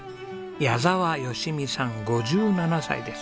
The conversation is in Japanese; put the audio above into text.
矢沢吉美さん５７歳です。